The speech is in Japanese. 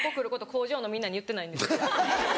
工場のみんなに言ってないんです。